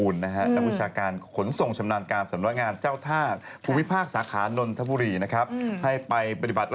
ทำจะเป็นผู้ชายขึ้นทุกวันเลยมั้ยคะ